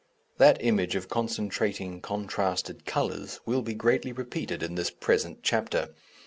That image of concentrating contrasted colours will be greatly repeated in this present chapter.